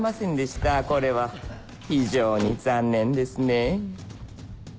これは非常に残念ですね